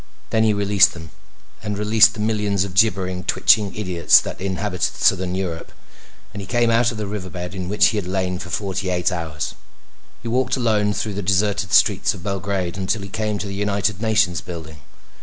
Then he released them, and released the millions of gibbering, twitching idiots that inhabited Southern Europe, and he came out of the river bed in which he had lain for forty eight hours. He walked alone through the deserted streets of Belgrade until he came to the United Nations building.